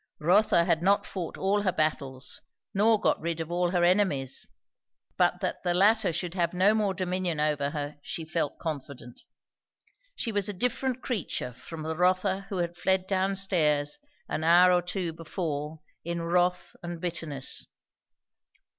Rotha had not fought all her battles nor got rid of all her enemies, but that the latter should have no more dominion over her she felt confident. She was a different creature from the Rotha who had fled down stairs an hour or two before in wrath and bitterness.